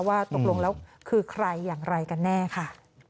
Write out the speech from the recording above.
ว่าตกลงแล้วคือใครอย่างไรกันแน่ค่ะ